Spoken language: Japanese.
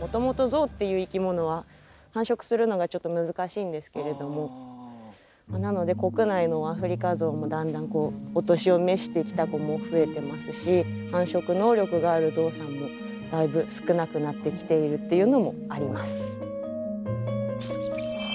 もともとゾウっていう生き物はなので国内のアフリカゾウもだんだんお年を召してきた子も増えてますし繁殖能力があるゾウさんもだいぶ少なくなってきているっていうのもあります。